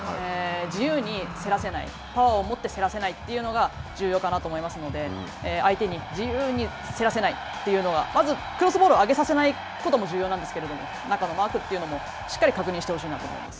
自由に競らせない、パワーをもって競らせないというのが重要かなと思いますので、相手に自由に競らせない、というのがまずクロスボールを上げさせないことも重要なんですけど中のマークというのも、しっかり確認してほしいと思います。